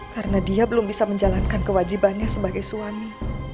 karena dia belum bisa menjalankan kewajibannya sebagai suami